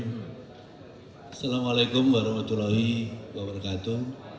wassalamualaikum warahmatullahi wabarakatuh